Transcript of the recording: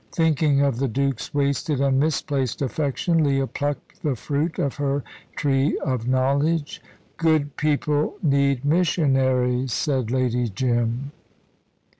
Thinking of the Duke's wasted and misplaced affection, Leah plucked the fruit of her Tree of Knowledge. "Good people need missionaries," said Lady Jim.